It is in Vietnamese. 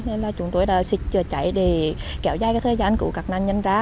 nên là chúng tôi đã xịt chạy để kéo dài thời gian cứu các nạn nhân ra